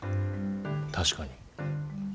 確かに。